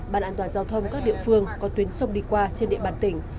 bàn an toàn giao thông các địa phương có tuyến sông đi qua trên địa bàn tỉnh